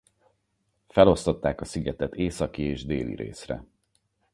Felosztották a szigetet északi és déli részre.